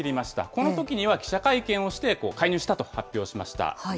このときには記者会見をして、介入したと発表しました。